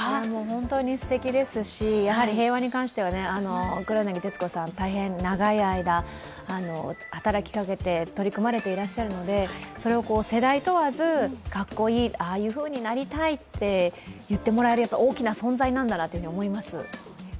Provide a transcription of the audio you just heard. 本当にすてきですし、やはり平和に関しては黒柳徹子さん、大変長い間、働きかけて取り組まれていらっしゃるのでそれを世代問わず、かっこいい、ああいうふうになりたいって言ってもらえる大きな存在なんだなと思います。